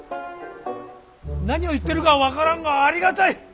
何を言ってるか分からんがありがたい！